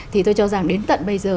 thì tôi cho rằng đến tận bây giờ